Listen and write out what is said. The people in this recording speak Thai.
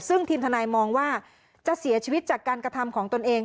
ซึ่งทีมทนายมองว่าจะเสียชีวิตจากการกระทำของตนเอง